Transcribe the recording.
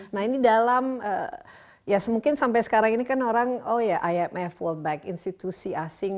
nah ini dalam ya mungkin sampai sekarang ini kan orang oh ya imf world bank institusi asing